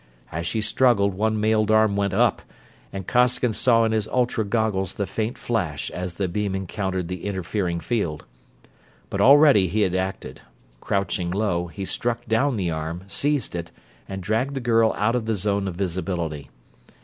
As she struggled one mailed arm went up, and Costigan saw in his ultra goggles the faint flash as the beam encountered the interfering field. But already he had acted. Crouching low, he struck down the arm, seized it, and dragged the girl out of the zone of visibility.